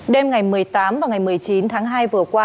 đêm ngày một mươi tám và ngày một mươi chín tháng hai vừa qua